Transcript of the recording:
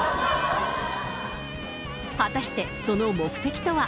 果たしてその目的とは。